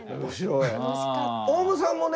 オウムさんもね